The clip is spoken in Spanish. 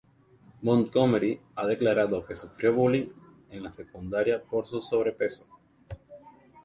Montgomery ha declarado que sufrió bullying en la secundaria por su sobrepeso.